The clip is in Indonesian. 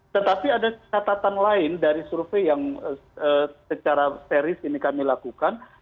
tetapi ada catatan lain dari survei yang secara serius ini kami lakukan